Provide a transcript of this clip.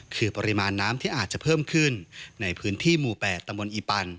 คือปริมาณน้ำที่อาจจะเพิ่มขึ้นในพื้นที่หมู่๘ตำบลอีปัน